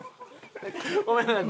ごめんなさい。